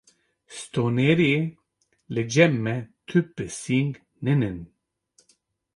Stonêrê: Li cem me tu pising nînin.